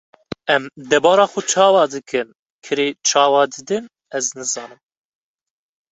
Em debara xwe çawa dikin, kirê çawa didin ez nizanim.